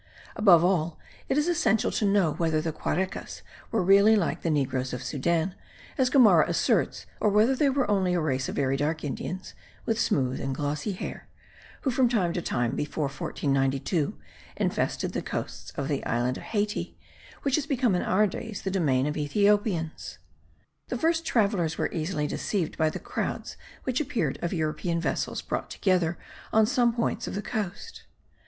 Above all, it is essential to know whether the Quarecas were really like the negroes of Soudan, as Gomara asserts, or whether they were only a race of very dark Indians (with smooth and glossy hair), who from time to time, before 1492, infested the coasts of the island of Hayti which has become in our days the domain of Ethiopians.) The first travellers were easily deceived by the crowds which the appearance of European vessels brought together on some points of the coast.